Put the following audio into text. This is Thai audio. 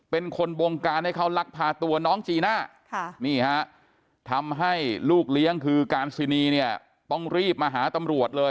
เป็นคนบงการให้เขาลักพาตัวน้องจีน่านี่ฮะทำให้ลูกเลี้ยงคือการซินีเนี่ยต้องรีบมาหาตำรวจเลย